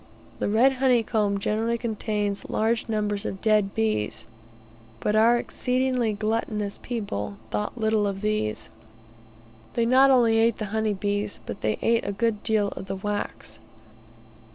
The red honey comb generally contains large numbers of dead bees, but our exceedingly gluttonous people thought little of these. They not only ate the honey bees, but they also ate a good deal of the wax.